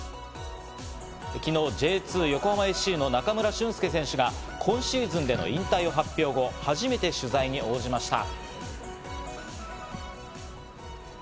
昨日、Ｊ２横浜ＦＣの中村俊輔選手が今シーズンでの引退を発表後、初めて取材に応じました。